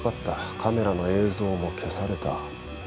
カメラの映像も消された。